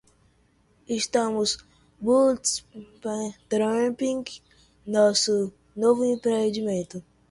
Estamos bootstrapping nosso novo empreendimento.